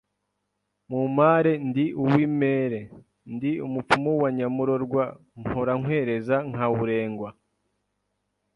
Mu mare ndi uw’imere Ndi umupfumu wa Nyamurorwa Mpora nkwereza nkaurengwa